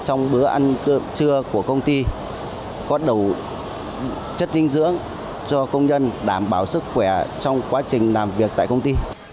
trong bữa ăn trưa của công ty có đủ chất dinh dưỡng cho công nhân đảm bảo sức khỏe trong quá trình làm việc tại công ty